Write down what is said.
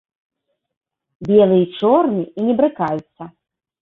Белы і чорны і не брыкаюцца.